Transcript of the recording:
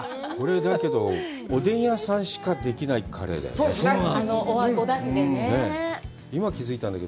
これだけど、おでん屋さんしかできないカレーだね。